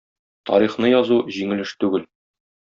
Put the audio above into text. Тарихны язу җиңел эш түгел.